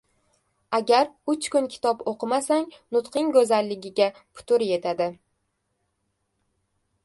• Agar uch kun kitob o‘qimasang nutqing go‘zalligiga putur yetadi.